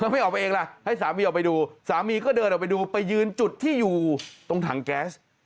ไม่ออกไปเองล่ะให้สามีออกไปดูสามีก็เดินออกไปดูไปยืนจุดที่อยู่ตรงถังแก๊ส